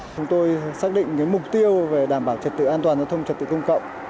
chúng tôi xác định mục tiêu về đảm bảo trật tự an toàn giao thông trật tự công cộng